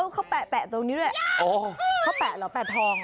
เขาแปะตรงนี้ด้วยเขาแปะเหรอแปะทอง